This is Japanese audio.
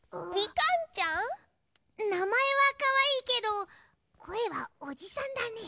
なまえはかわいいけどこえはおじさんだね。